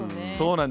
そう。